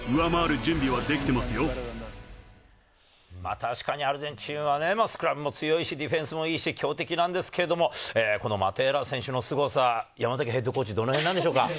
確かにアルゼンチンはスクラムも強いし、ディフェンスもいいし、強敵なんですけれど、マテーラ選手のすごさ、山崎ＨＣ、どの辺なんでしょうか？